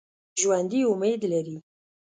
ژوندي امید لري